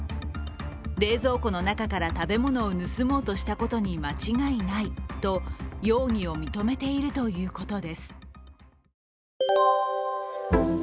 冷蔵庫の中から食べ物を盗もうとしたことに間違いないと容疑を認めているということです。